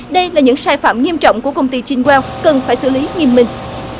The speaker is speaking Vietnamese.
đây là những sai phạm nghiêm trọng của công ty chinwell cần phải xử lý nghiêm minh